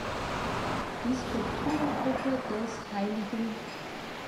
Die Skulpturengruppe des hl.